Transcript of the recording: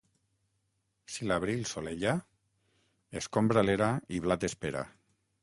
Si l'abril solella, escombra l'era i blat espera.